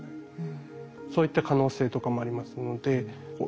そういった可能性とかもありますのでさあ